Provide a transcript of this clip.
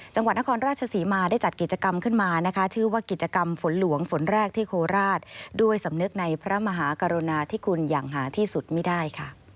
จังหวัดนครราชศรีมาได้จัดกิจกรรมขึ้นมานะคะชื่อว่ากิจกรรมฝนหลวงฝนแรกที่โคราชด้วยสำนึกในพระมหากรุณาที่คุณอย่างหาที่สุดไม่ได้ค่ะ